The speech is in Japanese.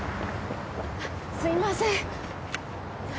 すいません。